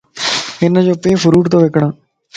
ھنجو پي ڦروٽ تو وڪڻ